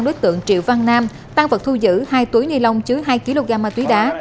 đối tượng triệu văn nam tăng vật thu giữ hai túi ni lông chứa hai kg ma túy đá